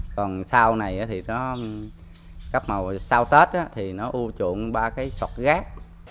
còn sau này sau tết ưa chuộng ba cái sọt gác